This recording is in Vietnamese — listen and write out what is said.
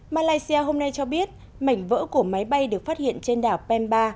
malaysia hôm nay cho biết mảnh vỡ của máy bay được phát hiện trên đảo pemba